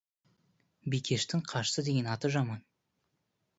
Бикештің қашты деген аты жаман.